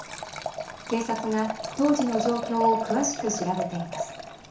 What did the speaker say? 警察が当時の状況を詳しく調べています。